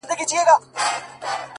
o پر ښايستوكو سترگو،